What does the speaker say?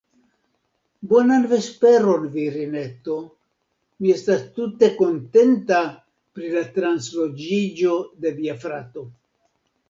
Bonan vesperon, virineto; mi estas tute kontenta pri la transloĝiĝo de via frato.